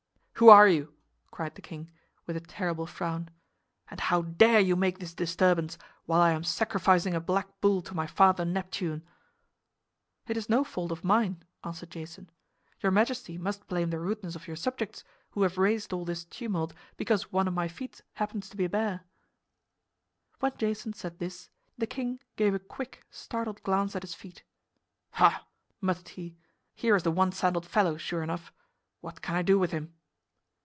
"Who are you?" cried the king, with a terrible frown. "And how dare you make this disturbance, while I am sacrificing a black bull to my father Neptune?" "It is no fault of mine," answered Jason. "Your majesty must blame the rudeness of your subjects, who have raised all this tumult because one of my feet happens to be bare." When Jason said this the king gave a quick, startled glance at his feet. "Ha!" muttered he, "here is the one sandaled fellow, sure enough! What can I do with him?"